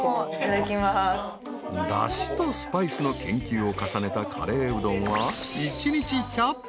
［だしとスパイスの研究を重ねたカレーうどんは］